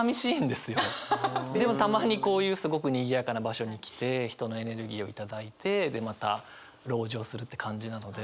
でもたまにこういうすごくにぎやかな場所に来て人のエネルギーをいただいてでまた籠城するって感じなので。